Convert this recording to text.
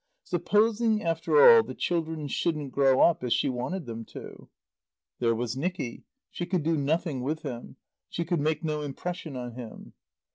Supposing, after all, the children shouldn't grow up as she wanted them to? There was Nicky. She could do nothing with him; she could make no impression on him.